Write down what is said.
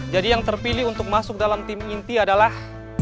jadi yang terpilih untuk masuk dalam tim inti adalah